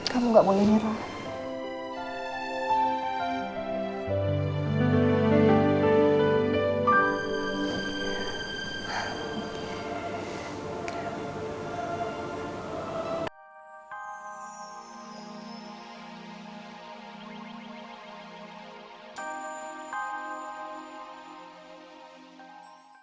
kamu gak boleh nyerah